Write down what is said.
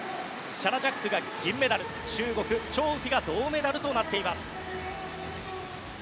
シャナ・ジャックが銀メダル中国、チョウ・ウヒが銅メダルとなっています。